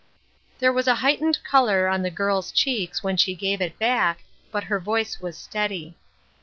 There was a heightened color on the girl's cheeks when she gave it back, but her voice was steady.